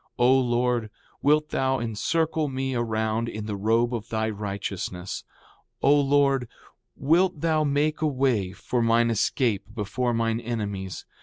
4:33 O Lord, wilt thou encircle me around in the robe of thy righteousness! O Lord, wilt thou make a way for mine escape before mine enemies!